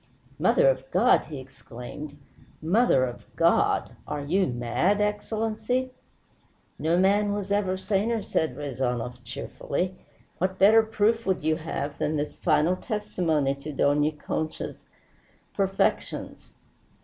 "Mother of God!" he exclaimed. "Mother of God! Are you mad, Excellency?" "No man was ever saner," said Rezanov cheerfully. "What better proof would you have than this final testimony to Dona Concha's perfections?"